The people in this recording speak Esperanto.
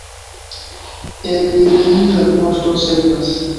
En Nick migra poŝto servas.